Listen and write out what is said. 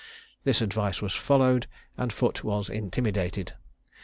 This advice was followed, and Foote was intimidated.